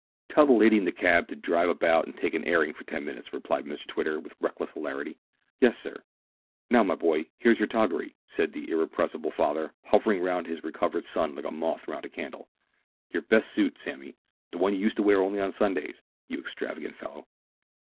"Tell the lady in the cab to drive about and take an airing for ten minutes," replied Mr Twitter with reckless hilarity. "Yes, sir." "Now, my boy, here's your toggery," said the irrepressible father, hovering round his recovered son like a moth round a candle "your best suit, Sammy; the one you used to wear only on Sundays, you extravagant fellow."